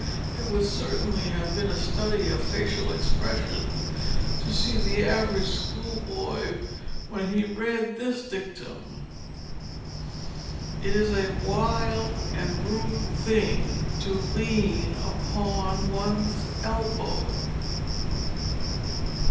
It would certainly have been a study of facial expression to see the average schoolboy when he read this dictum, "It is a wilde and rude thing to lean upon ones elbow."